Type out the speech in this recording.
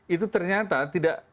itu ternyata tidak